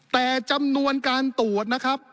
แต่จำนวนการตรวจนะครับ